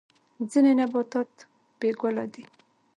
ځینې نباتات بې ګله دي